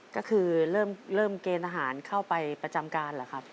ก็คือเริ่มเกณฑ์ทหารเข้าไปประจำการเหรอครับ